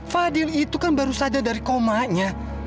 fadil itu kan baru saja dari komanya